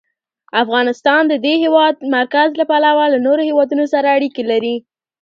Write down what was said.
افغانستان د د هېواد مرکز له پلوه له نورو هېوادونو سره اړیکې لري.